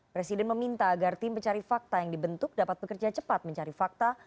presiden meminta agar tim pencari fakta yang dibentuk dapat bekerja cepat mencari fakta